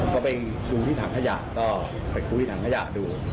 ก็ไปดูที่ถังขยะก็ไปคุยถังขยะดู